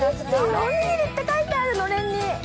おにぎりって書いてある、のれんに。